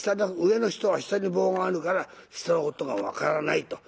上の人は下に棒があるから下のことが分からないと。